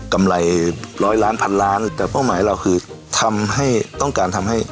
กำไรร้อยล้านพันล้านแต่เป้าหมายเราคือทำให้ต้องการทำให้